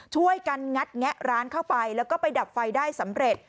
ช่วยกันงัดแงะร้านเข้าไปแล้วก็ไปดับไฟได้สำเร็จ